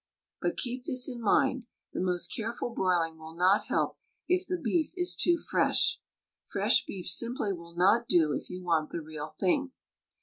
But keep this in mind: the most careful broiling will not help if the beef is too fresh. Fresh beef simply will not do if you want the real thing.